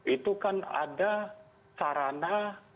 itu kan ada sarana